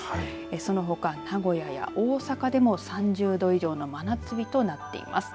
そのほか名古屋や大阪でも３０度以上の真夏日となっています。